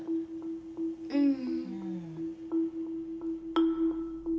うん。